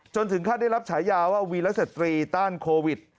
จนถึงค่าได้รับฉายาววีรัสเตอร์ตรีต้านโควิด